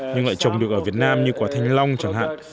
nhưng lại trồng được ở việt nam như quả thanh long chẳng hạn